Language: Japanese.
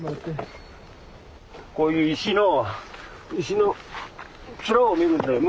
こういう石の石の面を見るんだよ